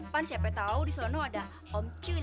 kan siapa tau di sana ada om culem